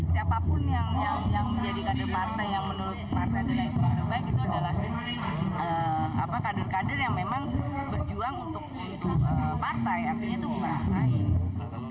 siapapun yang menjadi kadir partai yang menurut partai yang terbaik itu adalah kadir kadir yang memang berjuang untuk partai artinya itu memperasaikan